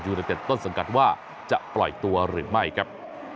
ในเต็ดต้นสังกัดว่าจะปล่อยตัวหรือไม่ครับ